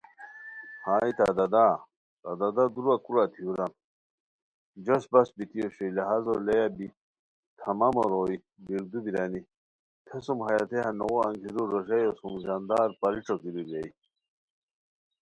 ہائے تہ دادا ! تہ دادا دُورہ کورا تھییوران جوش بس بیتی اوشوئے لہاز و لیا بی تمامو روئے بیردو بیرانی تھیسوم ہیہ دیہہ نوغ انگیرو روژایو سُم ژاندار(پری) ݯوکیرو بیرائے